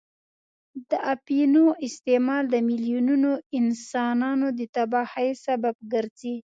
د اپینو استعمال د میلیونونو انسانان د تباهۍ سبب ګرځي.